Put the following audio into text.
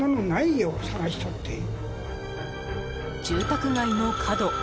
住宅街の角。